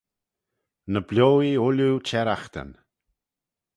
Ny bioee ooilley çherraghtyn.